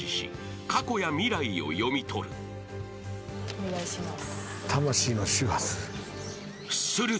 お願いします。